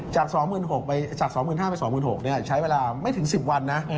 จาก๒๕๐๐ไป๒๖๐๐ใช้เวลาไม่ถึง๑๐วันนะ